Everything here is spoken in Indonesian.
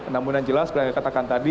namun yang jelas seperti yang dikatakan tadi